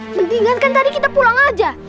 mendingan kan tadi kita pulang aja